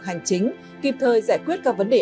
hành chính kịp thời giải quyết các vấn đề